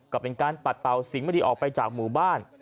ก็เป็นการปัดเป่าสิ่งไม่ดีออกไปจากหมู่บ้าน